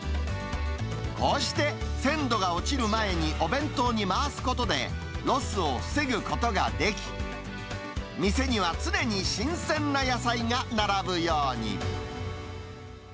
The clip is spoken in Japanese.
こうして、鮮度が落ちる前にお弁当に回すことで、ロスを防ぐことができ、店には常に新鮮な野菜が並ぶように。